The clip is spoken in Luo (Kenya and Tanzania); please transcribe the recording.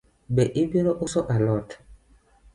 Be obiro uso alot?